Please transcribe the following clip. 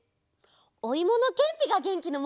おいものけんぴがげんきのもと！